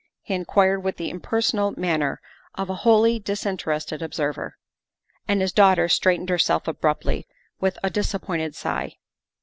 he inquired with the impersonal manner of a wholly disinterested observer. And his daughter straightened herself abruptly with a disappointed sigh.